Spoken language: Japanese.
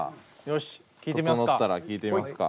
よし聴いてみますか。